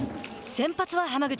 先発は濱口。